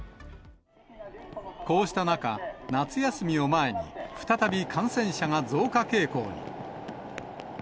こうした中、夏休みを前に、再び感染者が増加傾向に。